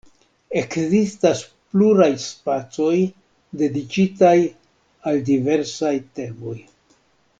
Ekzistas pluraj spacoj, dediĉitaj al diversaj temoj.